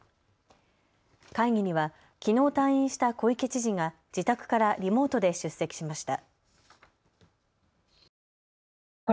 会議には、きのう退院した小池知事が自宅からリモートで出席しました。